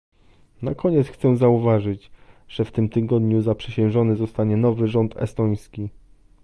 Na koniec chcę zauważyć, że w tym tygodniu zaprzysiężony zostanie nowy rząd estoński